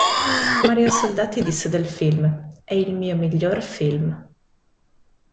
Mario Soldati disse del film: "È il mio miglior film.